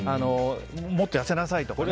もっと痩せなさいとかね。